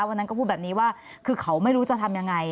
วันนั้นก็พูดแบบนี้ว่าคือเขาไม่รู้จะทำยังไง